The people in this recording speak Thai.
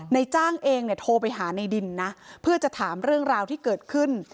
ในจ้างเองเนี่ยโทรไปหาในดินนะเพื่อจะถามเรื่องราวที่เกิดขึ้น